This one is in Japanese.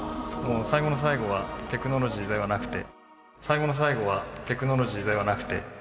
最後の最後はテクノロジーではなくて。